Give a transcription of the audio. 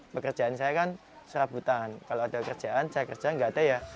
pekerjaan saya kan serabutan kalau ada pekerjaan saya kerjaan gak ada ya